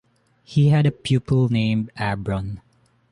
He had a pupil named Abron.